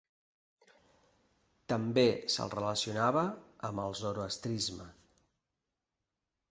També se'l relacionava amb el zoroastrisme.